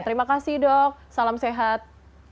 terima kasih dok salam sehat